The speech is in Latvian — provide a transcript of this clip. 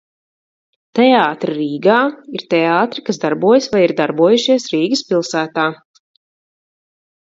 Teātri Rīgā, ir teātri, kas darbojas vai ir darbojušies Rīgas pilsētā.